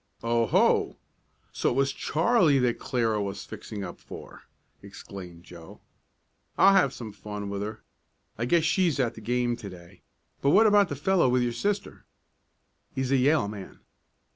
"Oh, ho! So it was Charlie that Clara was fixing up for!" exclaimed Joe. "I'll have some fun with her. I guess she's at the game to day. But what about the fellow with your sister?" "He's a Yale man."